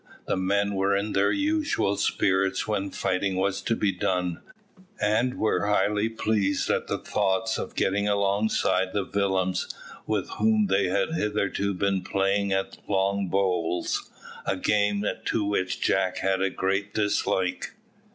The men were in their usual spirits when fighting was to be done, and were highly pleased at the thoughts of getting alongside the villains with whom they had hitherto been playing at long bowls a game to which Jack had a great dislike.